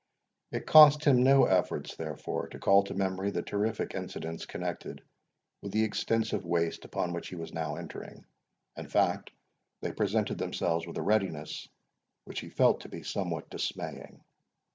It cost him no efforts, therefore, to call to memory the terrific incidents connected with the extensive waste upon which he was now entering. In fact, they presented themselves with a readiness which he felt to be somewhat dismaying.